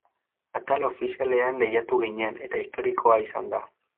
Atal ofizialean lehiatu ginen eta historikoa izan da.